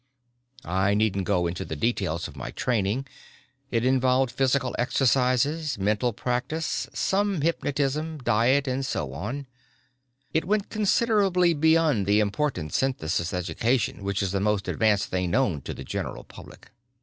"I needn't go into the details of my training. It involved physical exercises, mental practice, some hypnotism, diet and so on. It went considerably beyond the important Synthesis education which is the most advanced thing known to the general public.